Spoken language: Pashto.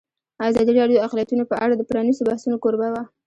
ازادي راډیو د اقلیتونه په اړه د پرانیستو بحثونو کوربه وه.